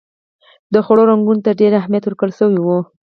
د خوړو رنګونو ته ډېر اهمیت ورکول شوی و.